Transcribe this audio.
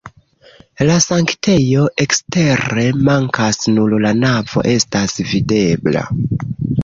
La sanktejo ekstere mankas, nur la navo estas videbla.